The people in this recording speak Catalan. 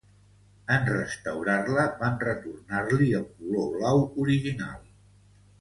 En restaurar-la, van retornar-li el color blau original.